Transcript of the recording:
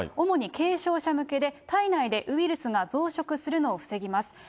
主に軽症者向けで、体内でウイルスが増殖するのを防ぎます。